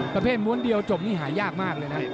ประเภทม้วนเดียวจบนี่หายากมากเลยนะ